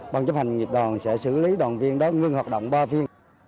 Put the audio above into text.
băng chấp hành dịch đoàn sẽ xử lý đoàn viên đó ngưng hoạt động ba viên